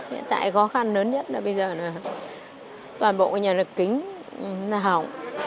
hiện tại khó khăn lớn nhất là bây giờ là toàn bộ nhà lực kính hỏng